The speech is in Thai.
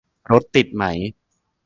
รถติดไหม